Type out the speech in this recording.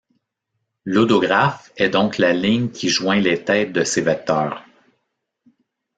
L'hodographe est donc la ligne qui joint les têtes de ces vecteurs.